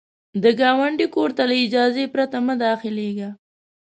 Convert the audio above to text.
د ګاونډي کور ته له اجازې پرته مه داخلیږه